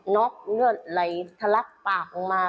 น๊อกเหนือไหลธรักปากลงมา